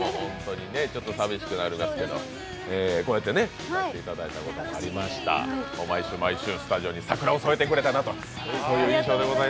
ちょっと寂しくなりますけど、こうやって来ていただいたこともありました。毎週毎週、スタジオに櫻を添えてくれたなと。